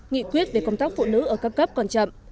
nghị quyết về công tác phụ nữ ở các cấp còn chậm